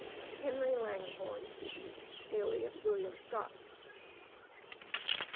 HENRY LANGHORN alias WM. SCOTT.